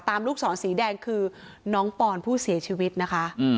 ลูกศรสีแดงคือน้องปอนผู้เสียชีวิตนะคะ